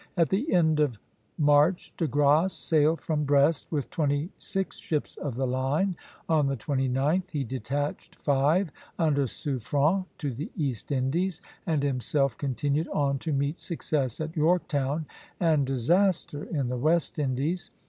At the end of March De Grasse sailed from Brest with twenty six ships of the line. On the 29th he detached five under Suffren to the East Indies, and himself continued on to meet success at Yorktown and disaster in the West Indies.